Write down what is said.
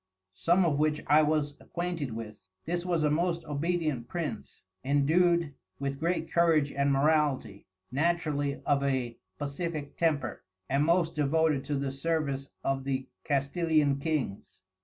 Some of which I was acquainted with. This was a most Obedient Prince, endued with great Courage and Morality, naturally of a Pacifick Temper, and most devoted to the service of the Castilian Kings.